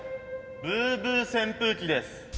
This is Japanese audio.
ブーブー旋風鬼です。